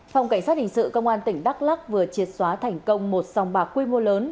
phòng cảnh sát hình sự công an tỉnh đắk lắc vừa triệt xóa thành công một sòng bạc quy mô lớn